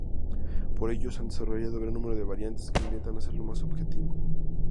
Por ello, se han desarrollado gran número de variantes que intentan hacerlo más objetivo.